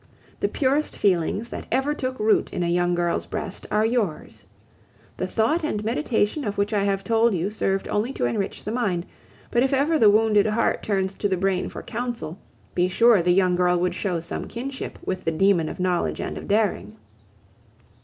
The purest feelings that ever took root in a young girl's breast are yours. The thought and meditation of which I have told you served only to enrich the mind; but if ever the wounded heart turns to the brain for counsel, be sure the young girl would show some kinship with the demon of knowledge and of daring.